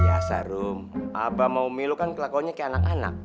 biasa rum abang mau miluh kan kelakunya kayak anak anak